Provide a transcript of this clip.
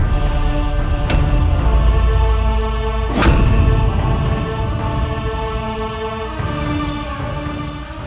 kau tidak mencintai rangga soka